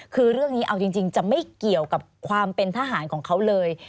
คือเรื่องนี้เอาจริงจะไม่เกี่ยวกับความเป็นทหารของเขาเลย